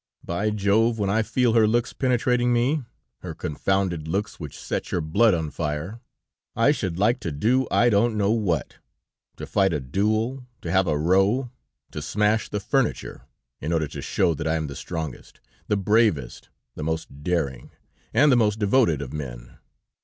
By Jove! When I feel her looks penetrating me, her confounded looks which set your blood on fire, I should like to do I don't know what; to fight a duel, to have a row, to smash the furniture, in order to show that I am the strongest, the bravest, the most daring, and the most devoted of men.